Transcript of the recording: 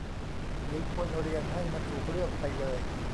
หรือควรเรียนให้มันถูกเรื่องไปเลย